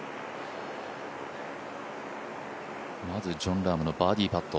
まずジョン・ラームのバーディーパット。